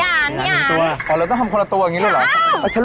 เราต้องทำคนละตัวอย่างนี้เลยเหรอ